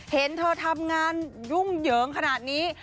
เห็นเธอทำงานยุ่งเหยิงขนาดนี้